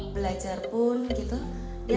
belajar pun gitu